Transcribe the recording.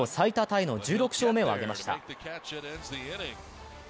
タイの１６勝目を挙げました。